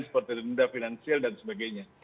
seperti denda finansial dan sebagainya